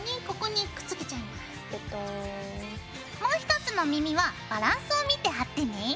もう一つの耳はバランスを見て貼ってね。